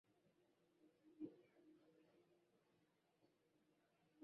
zi ambao unaonekana kukwamisha mchakato wa mazungumzo